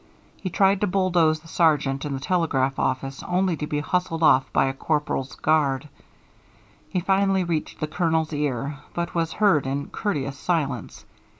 He tried to bulldoze the sergeant in the telegraph office only to be hustled off by a corporal's guard. He finally reached the Colonel's ear, but was heard in courteous silence.